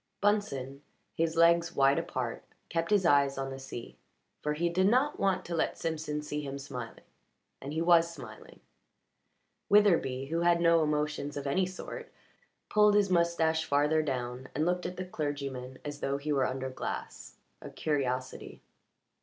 Bunsen, his legs wide apart, kept his eyes on the sea, for he did not want to let Simpson see him smiling, and he was smiling. Witherbee, who had no emotions of any sort, pulled his moustache farther down and looked at the clergyman as though he were under glass a curiosity.